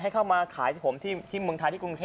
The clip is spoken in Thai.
ให้เขามาขายเขาเท่าไหร่วันนี้ที่เมืองท้านกรุงเทพ